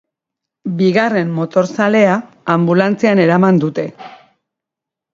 Bigarren motorzalea anbulantzian eraman dute.